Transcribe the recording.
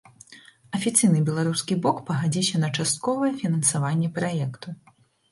Афіцыйны беларускі бок пагадзіўся на частковае фінансаванне праекту.